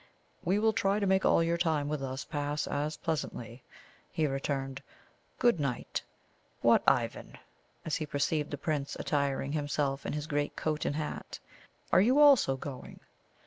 "We will try to make all your time with us pass as pleasantly," he returned. "Good night! What, Ivan," as he perceived the Prince attiring himself in his great coat and hat, "are you also going?"